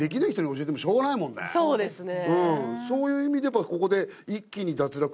そうですね。